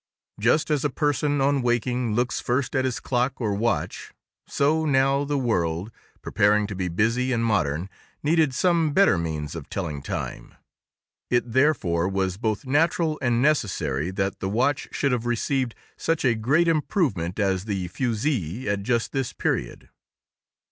Just as a person on waking looks first at his clock or watch, so now the world, preparing to be busy and modern, needed some better means of telling time. It therefore was both natural and necessary that the watch should have received such a great improvement as the fusee at just this period.